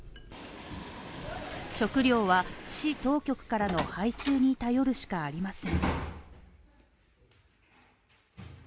食料は市当局からの配給に頼るしかありません。